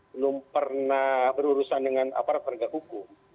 belum pernah berurusan dengan aparat penegak hukum